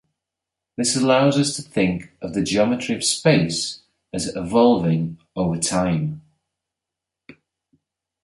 This allows us to think of the geometry of "space" as evolving over "time".